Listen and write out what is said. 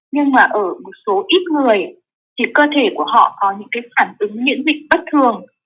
nhưng mà ở một số ít người thì cơ thể của họ có những cái phản ứng miễn dịch bất thường